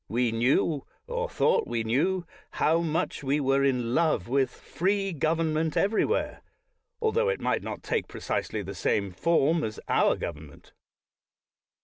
We knew, or thought we knew, how much we were in love with free government everywhere, altho it might not take precisely the same form as our government.